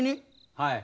はい。